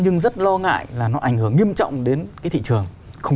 nhưng rất lo ngại là nó ảnh hưởng nghiêm trọng đến cái thị trường